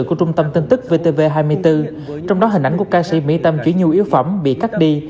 của trung tâm tin tức vtv hai mươi bốn trong đó hình ảnh của ca sĩ mỹ tâm chuyển nhu yếu phẩm bị cắt đi